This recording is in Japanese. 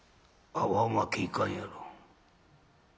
会わんわけいかんやろ」。